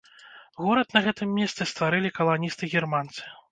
Горад на гэтым месцы стварылі каланісты-германцы.